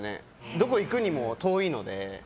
どこに行くにも遠いので。